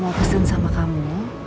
mama mau pesen sama kamu